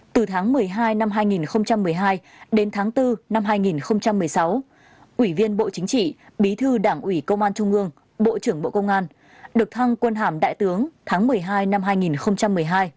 từ tháng một mươi hai năm hai nghìn một mươi hai đến tháng bốn năm hai nghìn một mươi sáu ủy viên bộ chính trị bí thư đảng ủy công an trung ương bộ trưởng bộ công an được thăng quân hàm đại tướng tháng một mươi hai năm hai nghìn một mươi hai